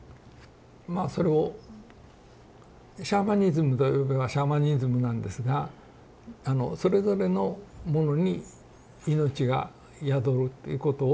まあそれをシャーマニズムと呼べばシャーマニズムなんですがそれぞれのものにいのちが宿るっていうことを信じてるんです。